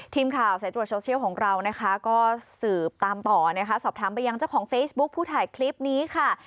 ทีมข่าวสายตรวจโซเชียลของเรานะคะก็สืบตามต่อนะคะสอบถามไปยังเจ้าของเฟซบุ๊คผู้ถ่ายคลิปนี้ค่ะ